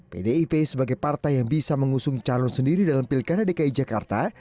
pdip sebagai partai yang bisa mengusung calon sendiri dalam pilkada dki jakarta